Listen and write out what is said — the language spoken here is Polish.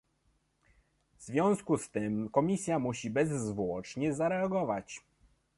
W związku z tym Komisja musi bezzwłocznie zareagować